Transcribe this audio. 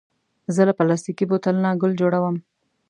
زه له پلاستيکي بوتل نه ګل جوړوم.